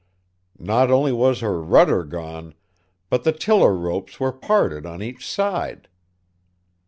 Not only was her rudder gone, but the tiller ropes were parted on each side.